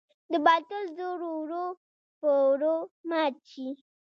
د باطل زور ورو په ورو مات شي.